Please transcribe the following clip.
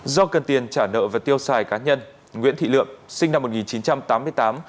do cần tiền trả nợ và tiêu xài cá nhân nguyễn thị lượm sinh năm một nghìn chín trăm tám mươi tám